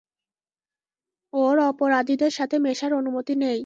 ওর অপরাধীদের সাথে মেশার অনুমতি নেই।